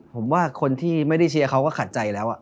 ผมว่าคนที่ไม่ได้เชียร์เขาก็ขัดใจแล้ว